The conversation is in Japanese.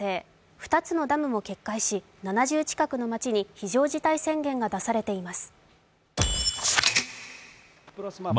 ２つのダムも決壊し、７０近くの街に非常事態宣言が出されています。